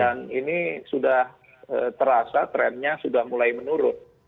dan ini sudah terasa trendnya sudah mulai menurun